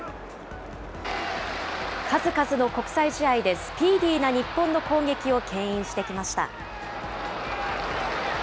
数々の国際試合でスピーディーな日本の攻撃をけん引してきました。